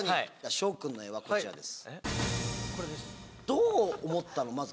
紫耀君の絵はこちらです。